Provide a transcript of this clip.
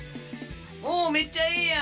おめっちゃええやん！